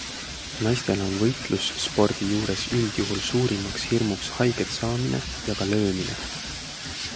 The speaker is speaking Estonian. Naistele on võitlusspordi juures üldjuhul suurimaks hirmuks haiget saamine ja ka löömine.